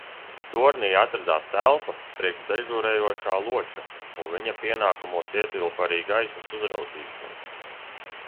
Tornī atradās telpa priekš dežurējošā loča un viņa pienākumos ietilpa arī gaismas uzraudzīšana.